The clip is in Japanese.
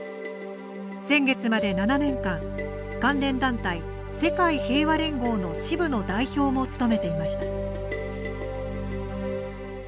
先月まで７年間関連団体・世界平和連合の支部の代表も務めていました。